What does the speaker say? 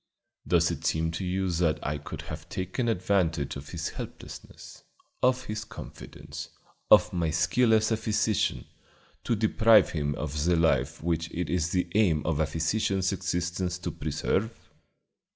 Does it seem to you that I could have taken advantage of his helplessness, of his confidence, of my skill as a physician, to deprive him of the life which it is the aim of a physician's existence to preserve?"